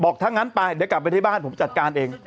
ถ้างั้นไปเดี๋ยวกลับไปที่บ้านผมจัดการเอง